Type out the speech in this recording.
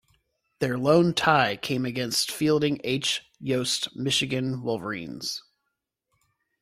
Their lone tie came against Fielding H. Yost's Michigan Wolverines.